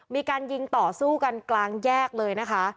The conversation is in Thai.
มีการยิงต่อสู้กันกลางแยกเลยนะคะ